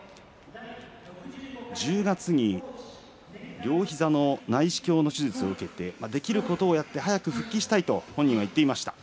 １０月に両膝の内視鏡の手術を受けて、できることをやって早く復帰したいと本人は言っていました。